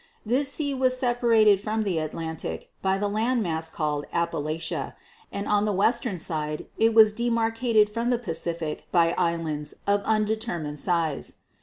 This sea was separated from the Atlantic by the land mass called Appalachia, and on the western side it was demarcated from the Pacific by islands of undetermined size.